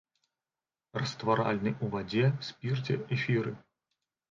Растваральны ў вадзе, спірце, эфіры.